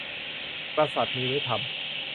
กษัตริย์มีไว้ทำ